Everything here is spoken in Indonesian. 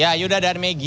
ya yuda dan megi